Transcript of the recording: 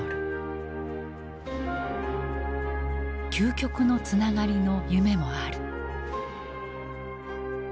究極のつながりの夢もある。